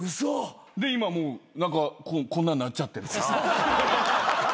で今もう何かこんなんなっちゃってるから。